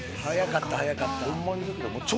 速かった速かった。